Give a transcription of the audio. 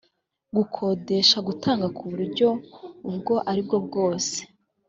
gukodesha gutanga ku buryo ubwo ari bwose